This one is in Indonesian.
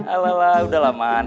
alah alah udah lah man